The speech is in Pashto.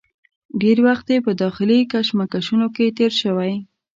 ډېر وخت یې په داخلي کشمکشونو کې تېر شوی.